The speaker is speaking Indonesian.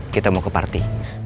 kita mau ke party